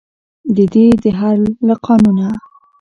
ددې دهر له قانونه.